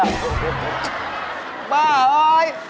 บ้าเอ้ย